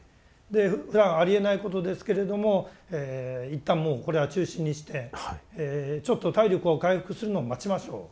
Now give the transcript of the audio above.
でふだんありえないことですけれども一旦もうこれは中心にしてちょっと体力を回復するのを待ちましょう。